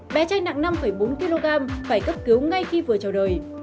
bé trai nặng năm bốn kg phải cấp cứu ngay khi vừa chào đời